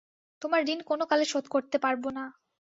তোমার ঋণ কোনোকালে শোধ করতে পারব না ।